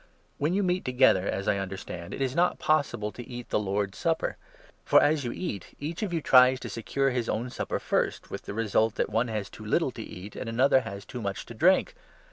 When you meet together, as I 20 understand, it is not possible to eat the Lord's Supper ; for, as 21 you eat, each of you tries to secure his own supper first, with the result that one has too little to eat, and another has too much to drink